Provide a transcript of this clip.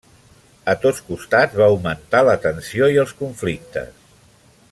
A tots costats va augmentar la tensió i els conflictes.